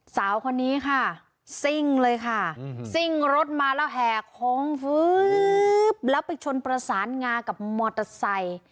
สาวคนนี้ค่ะซิ่งเลยค่ะซิ่งรถมาแล้วแห่โค้งแล้วไปชนประสานงากับมอเตอร์ไซค์